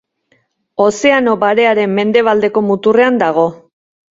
Ozeano Barearen mendebaldeko muturrean dago.